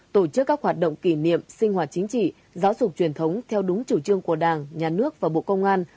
tổ chức các hoạt động kỷ niệm sinh hoạt chính trị giáo dục truyền thống theo đúng chủ trương của đảng nhà nước và bộ công an